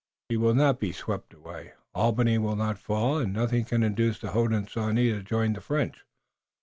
"He will not be swept away. Albany will not fall, and nothing can induce the Hodenosaunee to join the French."